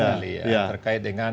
pemerintah kepada rakyatnya